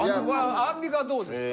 アンミカはどうですか？